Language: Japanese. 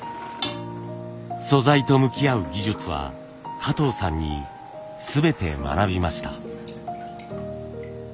素材と向き合う技術は加藤さんに全て学びました。